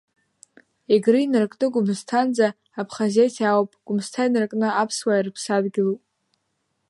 Егры инаркны Гәымсҭанӡа Аԥхазеҭи ауп, Гәымсҭа инаркны аԥсуаа ирыԥсадгьылуп…